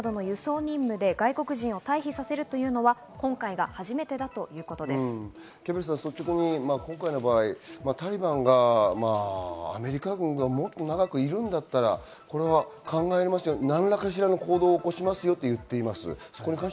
そして在外邦人などの輸送任務で外国人を退避させるのは今回が初タリバンがアメリカ軍がもっと長くいるんだったら何かしらの行動を起こしますよと言っています。